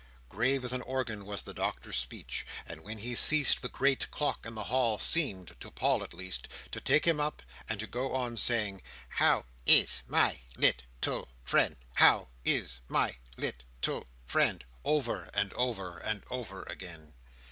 Grave as an organ was the Doctor's speech; and when he ceased, the great clock in the hall seemed (to Paul at least) to take him up, and to go on saying, "how, is, my, lit, tle, friend? how, is, my, lit, tle, friend?" over and over and over again.